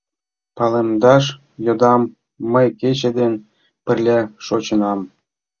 — Палемдаш йодам: мый кече дене пырля шочынам.